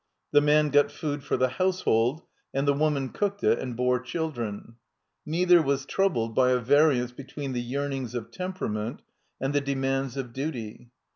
The man got food for the household and the woman cooked it and bore children. Neither was troubled by a variance between the yearnings of temperament and the demands of duty.